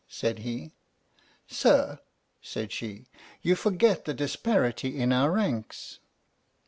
said he. "Sir," said she, " you forget the disparity in our ranks."